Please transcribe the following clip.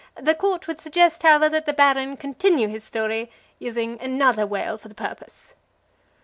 The court would suggest, however, that the Baron continue with his story, using another whale for the purpose."